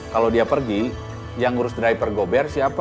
kalau dia pergi yang ngurus driver gober siapa